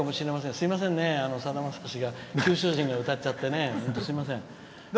すいませんね、さだまさしが九州人が歌っちゃってすいません。